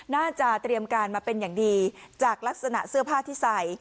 น่าจะเตรียมการมาเป็นอย่างดีจากลักษณะเสื้อผ้าที่ใส่